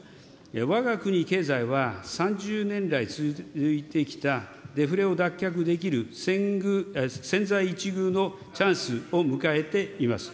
わが国経済は、３０年来続いてきたデフレを脱却できる千載一遇のチャンスを迎えています。